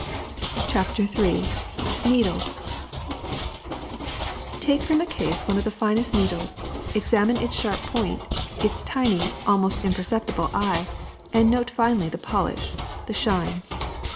CHAPTER III NEEDLES TAKE from a case cne of the finest needles, ex amine its sharp point, its tiny, almost imper ceptible eye, and note finally the polish, the shine.